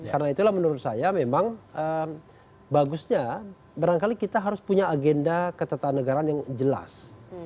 karena itulah menurut saya memang bagusnya barangkali kita harus punya agenda ketentangan negaraan yang jelas